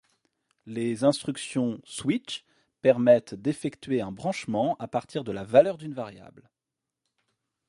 Les instructions switch permettent d'effectuer un branchement à partir de la valeur d'une variable.